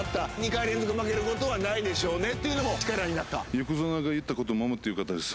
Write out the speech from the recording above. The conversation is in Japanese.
２回連続で負けることはないでしょうねっていうのも力になった？